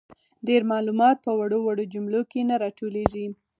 ډیر معلومات په وړو وړو جملو کي نه راټولیږي.